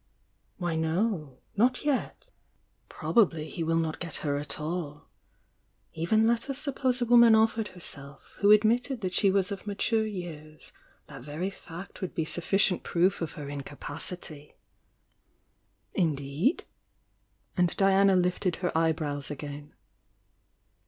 "Why no !— not yet. Probably he wiU not get her at all. Jiven let us suppose a woman offered herself who r fmitted that she was 'of mature years,' that very fact would be sufficient proof of her incapac "Wh°?"^^' ancl Diana lifted her eyebrows again.